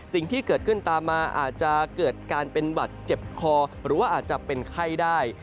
สิ่งที่เกิดขึ้นตามมาอาจจะเกิดการเป็นบัตรเจ็บคอหรือว่าอาจจะเป็นไข้ได้